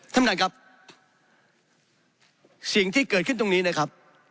ท่านประธานครับสิ่งที่เกิดขึ้นตรงนี้นะครับ